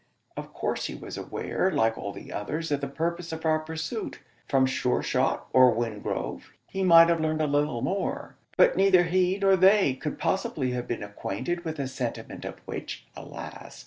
Of course he was aware, like all the others, of the purpose of our pursuit. From Sure shot, or Wingrove, he might have learnt a little more; but neither he nor they could possibly have been acquainted with a sentiment of which, alas!